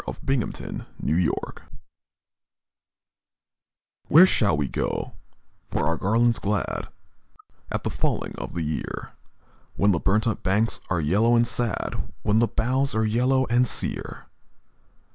A Song of Autumn "Where shall we go for our garlands glad At the falling of the year, When the burnt up banks are yellow and sad, When the boughs are yellow and sere?